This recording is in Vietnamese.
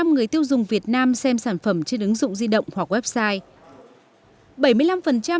bảy mươi chín người tiêu dùng việt nam xem sản phẩm trên ứng dụng di động hoặc website